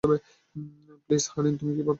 Please, Hardin, তুমি কি ভাবতে পারো তুমি কি করছ?